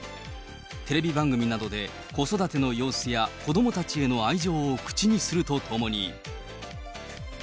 テレビ番組などで、子育ての様子や子どもたちへの愛情を口にするとともに。